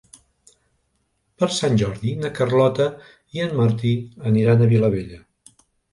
Per Sant Jordi na Carlota i en Martí aniran a Vilabella.